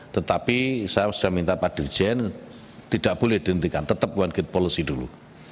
tetapi saya sudah minta pak dirjen tidak boleh dihentikan tetap one gate policy dulu